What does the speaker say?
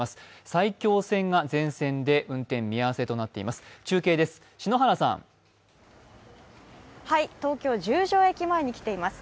埼京線が全線で運転見合せとなっています。